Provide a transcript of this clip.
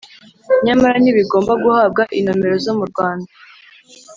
Nyamara, ntibigomba guhabwa inomero zo mu Rwanda: